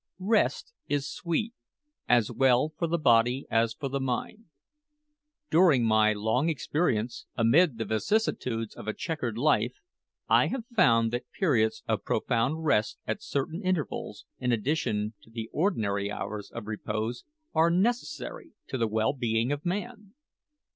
Rest is sweet, as well for the body as for the mind. During my long experience, amid the vicissitudes of a chequered life, I have found that periods of profound rest at certain intervals, in addition to the ordinary hours of repose, are necessary to the well being of man.